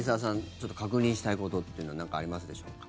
ちょっと確認したいってことは何かありますでしょうか？